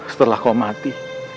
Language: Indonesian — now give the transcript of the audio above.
setelah kau mati